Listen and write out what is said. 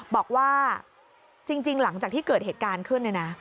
บอกว่าจริงหลังจากที่เกิดเหตุการณ์ขึ้นเนี่ยนะ